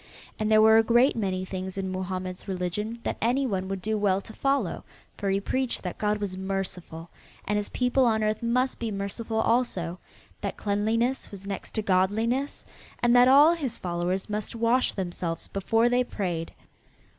And there were a great many things in Mohammed's religion that any one would do well to follow, for he preached that God was merciful and his people on earth must be merciful also, that cleanliness was next to Godliness and that all his followers must wash themselves before they prayed.